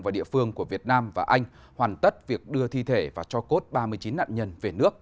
và địa phương của việt nam và anh hoàn tất việc đưa thi thể và cho cốt ba mươi chín nạn nhân về nước